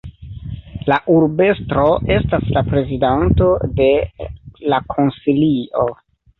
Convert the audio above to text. La urbestro estas la prezidanto de la konsilio.